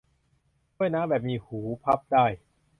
ถ้วยน้ำแบบมีหูพับได้